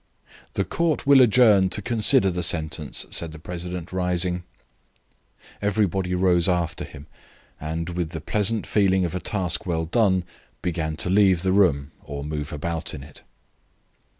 "The Court will adjourn to consider the sentence," said the president, rising. Everybody rose after him, and with the pleasant feeling of a task well done began to leave the room or move about in it.